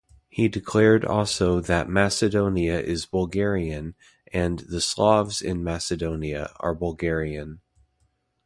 He declared also that Macedonia is Bulgarian and the Slavs in Macedonia are Bulgarian.